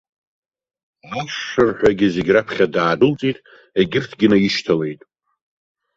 Ашырҳәагьы зегь раԥхьа даадәылҵит, егьырҭгьы наишьҭалеит.